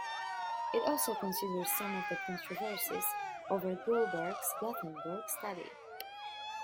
It also considered some of the controversies over Gillberg's Gothenburg study.